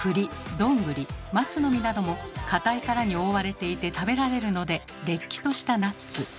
どんぐり松の実なども硬い殻に覆われていて食べられるのでれっきとしたナッツ。